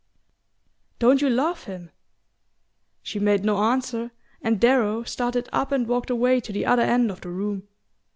"Don't you love him?" She made no answer, and Darrow started up and walked away to the other end of the room.